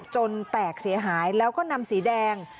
แตกเสียหายแล้วก็นำสีแดง